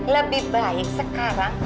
lebih baik sekarang